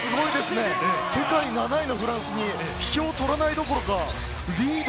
世界７位のフランスに引けを取らないどころか、リード。